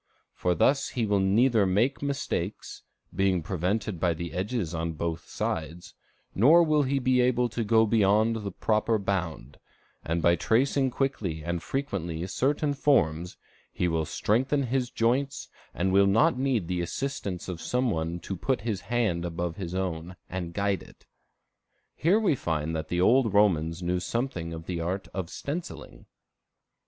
For thus he will neither make mistakes, being prevented by the edges on both sides, nor will he be able to go beyond the proper bound; and by tracing quickly and frequently certain forms, he will strengthen his joints, and will not need the assistance of some one to put his hand above his own, and guide it." Here we find that the old Romans knew something of the art of stenciling.